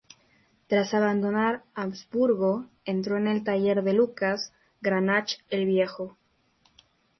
Tras abandonar Augsburgo, entró en el taller de Lucas Cranach el Viejo.